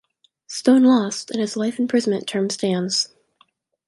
Stone lost, and his life imprisonment term stands.